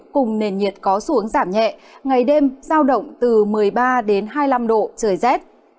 cùng nền nhiệt có xuống giảm nhẹ ngày đêm giao động từ một mươi ba đến hai mươi năm độ trời rét